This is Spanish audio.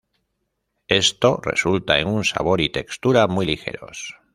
Esto resulta en un sabor y textura muy ligeros.